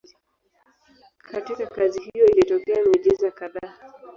Katika kazi hiyo ilitokea miujiza kadhaa.